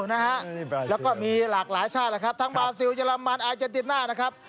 แล้วก็มีหลากหลายชาติทั้งเบาซิลเยอรมันไอเจนติดหน้า